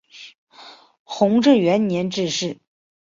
弘治元年致仕。